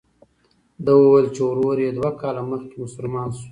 ده وویل چې ورور یې دوه کاله مخکې مسلمان شو.